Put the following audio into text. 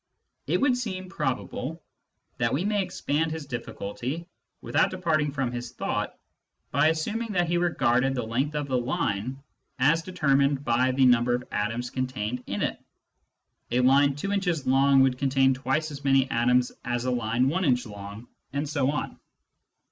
It would seem probable that we may expand his difficulty, without departing from his thought, by assuming that he regarded the length of a line as determined by the number of atoms contained in it — z line two inches long would contain twice as many atoms as a line one inch long, and so on.